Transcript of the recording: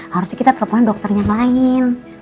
harusnya kita telepon dokter yang lain